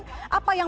menurut mas setiawan